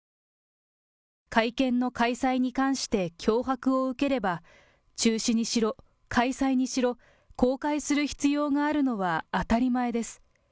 会見の開催に関して脅迫を受ければ、中止にしろ開催にしろ、公開する必要があるのは当たり前です。